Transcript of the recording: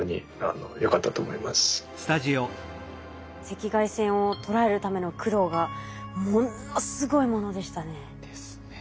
赤外線を捉えるための苦労がものすごいものでしたね。